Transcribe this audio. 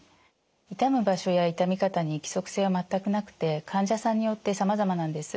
痛む場所や痛み方に規則性は全くなくて患者さんによってさまざまなんです。